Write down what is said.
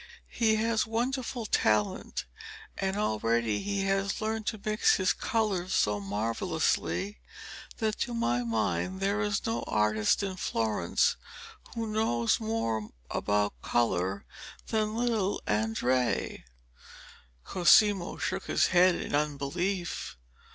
'He has wonderful talent, and already he has learnt to mix his colours so marvellously that to my mind there is no artist in Florence who knows more about colour than little Andrea' Cosimo shook his head in unbelief.